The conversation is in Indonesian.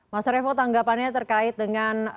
mas revo tanggapannya terkait dengan